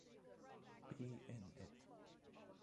Be in it.